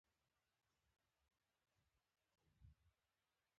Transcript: هغه له سیکهانو څخه غوښتي دي.